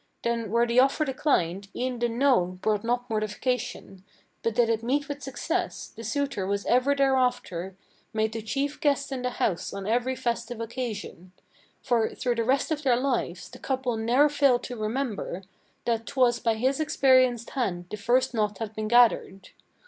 Then were the offer declined, e'en the 'no' brought not mortification; But did it meet with success, the suitor was ever thereafter Made the chief guest in the house on every festive occasion. For, through the rest of their lives, the couple ne'er failed to remember That 'twas by his experienced hand the first knot had been gathered.